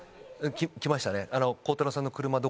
来ましたね。